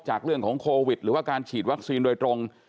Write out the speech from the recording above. จากเรื่องของโควิดหรือว่าการฉีดวัคซีนโดยตรง